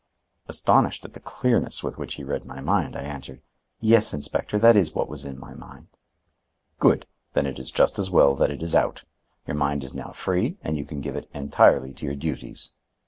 Astonished at the clearness with which he read my mind, I answered: "Yes, Inspector, that is what was in my mind." "Good! then it is just as well that it is out. Your mind is now free and you can give it entirely to your duties."